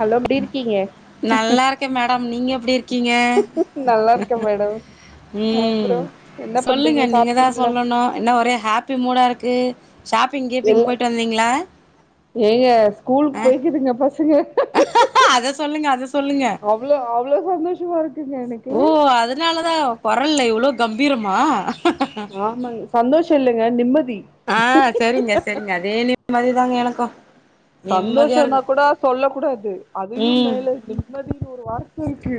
Hello எப்டி இருக்கீங்க நல்லா இருக்க மேடம் நீங்க எப்டி இருக்கீங்க நல்லா இருக்கே மேடம் அப்றோ ம் என்ன சொல்லுங்க பண்றீங்க நீங்க தா சாப்ட்டீங்களா சொல்லணு என்ன ஒரே ஹாப்பி மூடா இருக்கு ஷாப்பிங் இல்ல கீப்பிங் போயிட்டு வந்தீங்ளா ஏங்க ஸ்கூலுக் போயிக்கிதுங்க பசங்க அத சொல்லுங்க, அத சொல்லுங்க. அவ்ளோ அவ்ளோ சந்தோஷமா இருக்குங்க எனக்கு அப்ப அதனால தா கொரல்ல இவ்ளோ கம்பீரமா ஆமாங்க சந்தோஷோ இல்லங்க நிம்மதி ஆ செரிங்க செரிங்க அதே நிம்திதாங்க எனக்கு சந்தோஷம்னா கூட சொல்ல கூடாது அதையு ம். மேல நிம்மதியின்னு ஒரு வார்த்த இருக்கு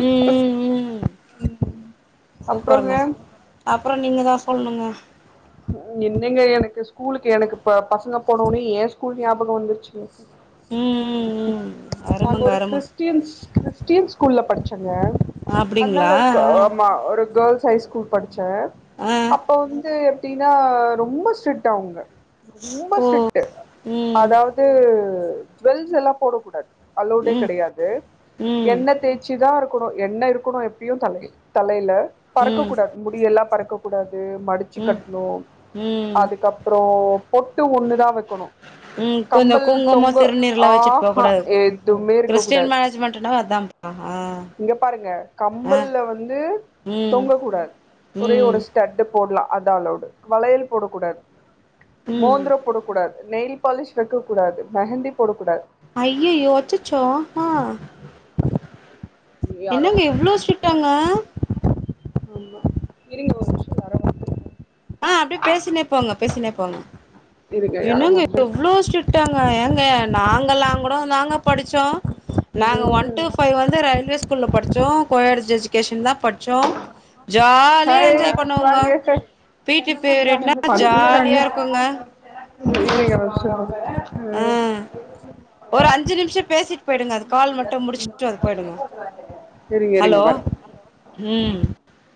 ம் ம் ம் அப்றோங்க சூப்பருங்க சு அப்றோ நீங்க தா சொல்ணுங்க என்னங்க எனக்கு ஸ்கூலுக்கு எனக்கு ப பசங்க போன ஒன்னே எயா ஸ்கூல் ஞாபகோ வந்துருச்சிங்க ம், ம், ம். நாங்க அருமங்க, ஒரு அரும. கிறிஸ்டின்ஸ் கிறிஸ்டின் ஸ்கூல்ல படிச்சங்க அப்டிங்களா? அத்னால ஆ. ஆமா ஒரு கேர்ள்ஸ் ஹை ஸ்கூல் படிச்சே ஆ அப்ப வந்து எப்டின்னா ரொம்ப ஸ்ட்ரிக்ட் அவுங்க ரொம்ப ஓ ஸ்ட்ரிக்ட் ம் அதாது ஜுவெல்ஸ் எல்லா போடக்க கூடாது அளவ்டே ம் கெடையாது ம் எண்ணன தேச் சிதா இருக்கணு எண்ண இருக்கணு எப்பயு தலை தலையில ம் பறக்கக்கூடாது முடியெல்லா பறக்க கூடாது மடிச்சு ம் கட்டணு ம் அதுக்கப்றோ பொட்டு ஒன்னுதா வெக்கணு ம் கொஞ்சோ கம்பல் குங்குமோ தொங்க திருநீர்லா ஆ வச்சுட்டு போ ஹா கூடாது எதுவுமே இருக்க கிறிஸ்டின் கூடாது மேனேஜ்மெண்ட்னா அதான்ப்பா ஆ இங்க பாருங்க ஆ கம்பல்ல வந்து ம் தொங்கக்க கூடாது ஒரே ம் ஒரு ஸ்டட் போடலா அதா அளோடு வளையல் போடக்கூடாது ம் மோந்துரோ போடக்கூடாது நெயில் பாலிஷ் வெக்க கூடாது மெஹந்தி போடக்க கூடாது அய்யய்யோ அச்சச்சோ யாரோ என்னங்க இவ்ளோ ஸ்ட்ரிக்டாங்க ஆமா இருங்க ஒரு நிமிஷோ யாரோ வந்திருக்காங்க ஆ அப்டியே பேசினே போங்க பேசினே போங்க இருங்க யாரோ இன்னாங்க இவ்ளோ வந்திருக்காங்க ஸ்ட்டாங்க எங்க நாங்கல்லா கூடோ தாங்க படிச்சோ நாங்க ஒன் டூ ம் ஃபைவ் வந்து ரயில்வே ஸ்கூல்ல படிச் டிச்சோ கோ எஜுகேஷன் தா படிச்சோ ஜாலியா ஹாய் என்ஜாய் பண்ணுவோங்க வாங்க ஹாய் பி டி என்ன பீரியட்னா ஜாலியா இருக்குங்க நீங்க வருச்ச ஆ ம் ஒரு அஞ்சு நிமிஷ பேசிட்டு போயிடுங்க அது கால் மட்டு முடிச்சுட்டு அது போயிடுங்க சரிங்க இருங்க ஹலோ வரே ம்